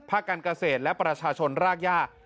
การเกษตรและประชาชนรากย่า